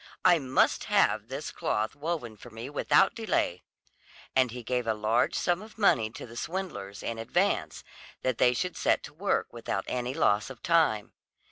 I must have this cloth woven for me without delay." And he gave a large sum of money to the swindlers, in advance, that they should set to work without any loss of time.